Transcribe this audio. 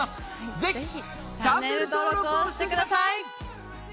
ぜひチャンネル登録をしてください！